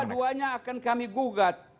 dua duanya akan kami gugat